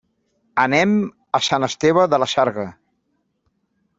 Anem a Sant Esteve de la Sarga.